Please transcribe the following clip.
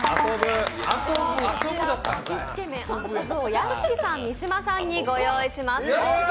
屋敷さん、三島さんにご用意いたします。